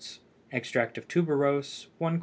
Extract of tuberose 1 qt.